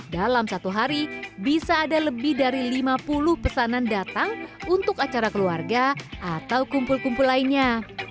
dalam satu hari bisa ada lebih dari lima puluh pesanan datang untuk acara keluarga atau kumpul kumpul lainnya